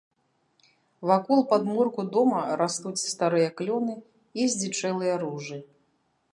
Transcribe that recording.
Вакол падмурку дома растуць старыя клёны і здзічэлыя ружы.